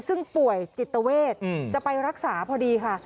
ซึ่งป่วยจิตเวทจะไปรักษาพอดีค่ะ